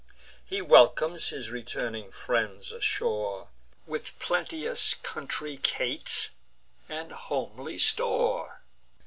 He welcomes his returning friends ashore With plenteous country cates and homely store.